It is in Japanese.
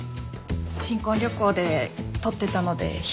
新婚旅行で取ってたので１人で。